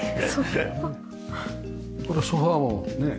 これソファもね